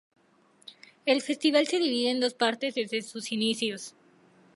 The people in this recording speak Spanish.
El festival se divide en dos partes desde sus inicios.